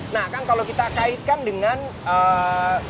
nah kan kalau kita kaitkan dengan